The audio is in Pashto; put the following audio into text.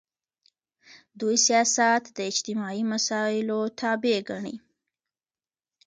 دوی سیاست د اجتماعي مسایلو تابع ګڼي.